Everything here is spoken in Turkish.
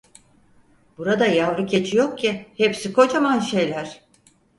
Burada yavru keçi yok ki, hepsi kocaman şeyler!